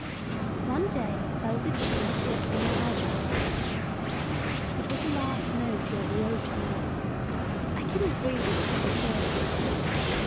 One day a folded sheet slipped from my algebra; it was the last note he ever wrote me. I couldn't read it for the tears.